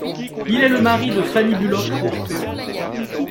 Il est le mari de Fanny Bullock Workman.